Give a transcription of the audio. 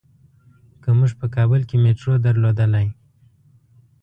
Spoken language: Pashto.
که مونږ په کابل کې میټرو درلودلای.